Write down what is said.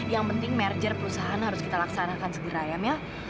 yang penting merger perusahaan harus kita laksanakan segera ya